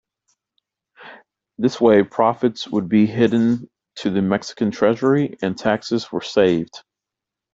This way profits would be hidden to the Mexican treasury, and taxes were saved.